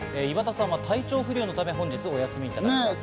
岩田さんは体調不良のため、本日はお休みいただきます。